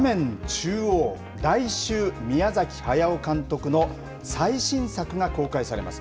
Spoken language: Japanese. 中央来週、宮崎駿監督の最新作が公開されます。